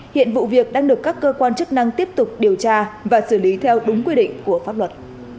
hiện vụ việc đang được các cơ quan chức năng tiếp tục điều tra và xử lý theo đúng quy định của pháp luật